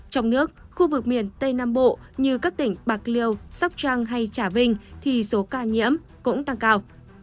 trong nước khu vực miền tây nam bộ như các tỉnh bạc liêu sóc trăng hay trà vinh thì số ca nhiễm cũng tăng cao